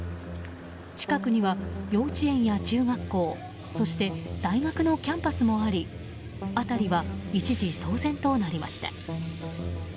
近くには幼稚園や中学校そして大学のキャンパスもあり辺りは一時騒然となりました。